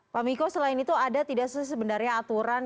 pak miko selain itu ada tidak sih sebenarnya aturan